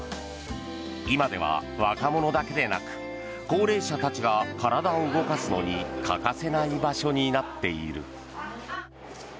今では若者だけでなく高齢者たちが体を動かすのに欠かせない場所になっている。